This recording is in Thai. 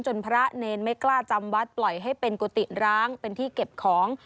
พระเนรไม่กล้าจำวัดปล่อยให้เป็นกุฏิร้างเป็นที่เก็บของ